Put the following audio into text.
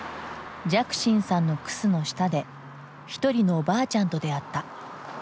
寂心さんのクスの下で一人のおばあちゃんと出会った。